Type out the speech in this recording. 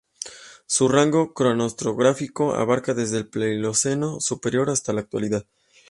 Su rango cronoestratigráfico abarca desde el Pleistoceno superior hasta la Actualidad.